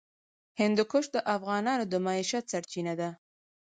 هندوکش د افغانانو د معیشت سرچینه ده.